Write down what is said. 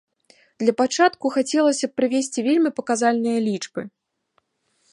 Для пачатку хацелася б прывесці вельмі паказальныя лічбы.